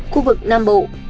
khu vực nam bộ